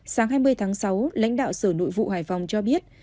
sáng hai mươi tháng sáu lãnh đạo sở nội vụ hải phòng cho biết